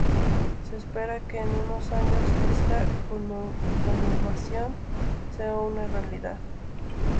Se espera que en unos años esta conurbación sea una realidad.